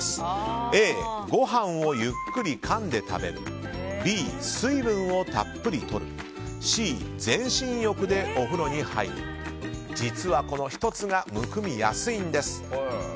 Ａ、ごはんをゆっくりかんで食べるＢ、水分をたっぷりとるＣ、全身浴でお風呂に入る実は、この１つがむくみやすいんです。